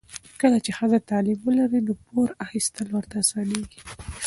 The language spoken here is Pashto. کله چې ښځه تعلیم ولري، نو پور اخیستل ورته اسانېږي.